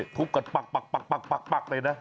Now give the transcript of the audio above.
ทุบกันปักเลยนะ